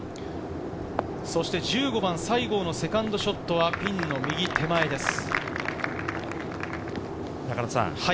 そして１５番、西郷のセカンドショットはピンの右手前です。